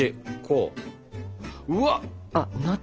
うわっ！